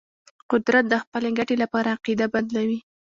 قدرت د خپل ګټې لپاره عقیده بدلوي.